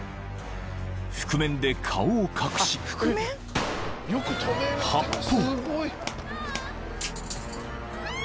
［覆面で顔を隠し］［発砲］